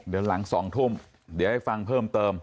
เดี๋ยวหลัง๒ทุ่มเดี๋ยวให้ฟังเพิ่มเติม